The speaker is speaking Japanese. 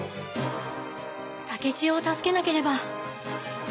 竹千代を助けなければ！